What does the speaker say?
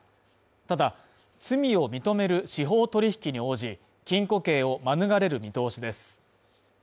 ただ、罪を認める司法取引に応じ、禁固刑をまぬがれる見通しです。